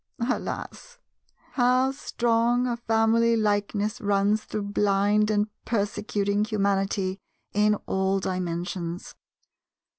Alas, how strong a family likeness runs through blind and persecuting humanity in all Dimensions!